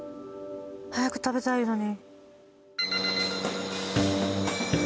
早く食べたいのに。